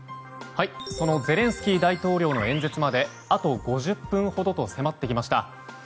そのゼレンスキー大統領の演説まであと５０分ほどと迫ってきました。